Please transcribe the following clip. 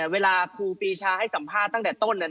ครูปีชาให้สัมภาษณ์ตั้งแต่ต้น